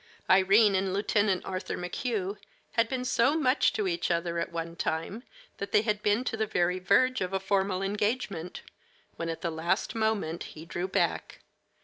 Irene and Lieutenant Arthur McHugh had been so much to each other at one time that they had been to the very verge of a formal engagement, when at the last moment he drew back.